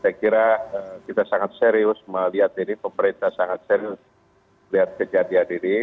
saya kira kita sangat serius melihat ini pemerintah sangat serius melihat kejadian ini